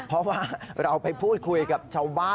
เพราะว่าเราไปพูดคุยกับชาวบ้าน